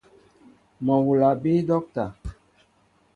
Mol hula a bii docta.